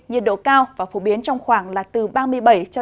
nhiệt độ cao và phổ biến trong khoảng là từ ba mươi bảy ba mươi chín độ